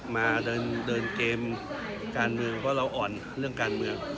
มาเดินเกมการเมืองเพราะเราอ่อนเรื่องการเมือง